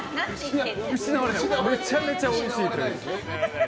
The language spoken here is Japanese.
めちゃくちゃおいしい。